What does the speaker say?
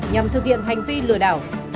cũng thực hiện hành vi lừa đảo